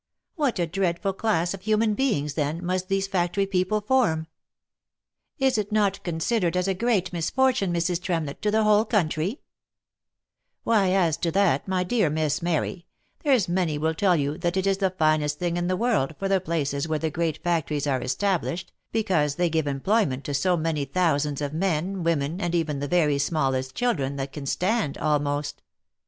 " What a dreadful class of human beings, then, must these fac tory people form ! Is it not considered as a great misfortune, Mrs. Tremlett, to the whole country V " Why as to that, my dear Miss Mary, there's many will tell you that it is the finest thing in the world for the places where the great factories are established, because they give employment to so many thousands of men, women, and even the very smallest children that can stand, almost.